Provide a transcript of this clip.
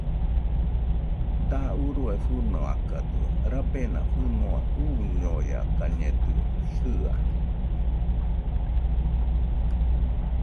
Da urue fɨnoakadɨo, rabena fɨnua uñoiakañedɨo jɨaɨ